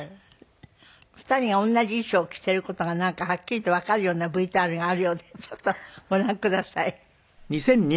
２人が同じ衣装着ている事がなんかはっきりとわかるようなＶＴＲがあるようでちょっとご覧ください。